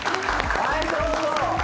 はいどうぞ！